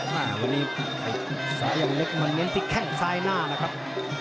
มาวันนี้สายันเล็กมาเน้นที่แข้งซ้ายหน้านะครับ